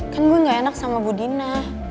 kan gue gak enak sama bu dina